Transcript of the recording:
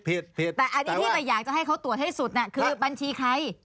แต่อันนี้ที่อยากจะให้เขาตรวจให้สุดคือบัญชีใคร